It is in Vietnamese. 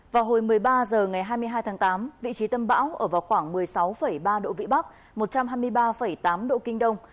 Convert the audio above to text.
vào hồi một mươi ba h ngày hai mươi hai tháng tám vị trí tâm bão ở vào khoảng một mươi sáu ba độ vĩ bắc một trăm hai mươi ba tám độ kinh đông